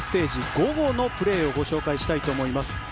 午後のプレーをご紹介したいと思います。